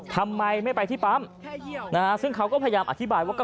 ทำไมไม่ไปที่ปั๊มซึ่งเขาก็พยายามอธิบายว่า